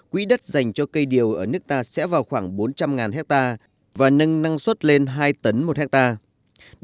quỹ đất dành cho cây điều ở nước ta sẽ vào khoảng bốn trăm linh hectare và nâng năng suất lên hai tấn một hectare